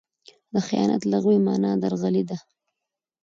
د خیانت لغوي مانا؛ درغلي ده.